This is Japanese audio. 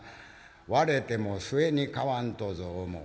割れても末に買わんとぞ思う」。